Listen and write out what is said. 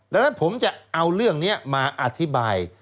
ดังนั้นผมจะเอาเรื่องนี้มาอธิบาย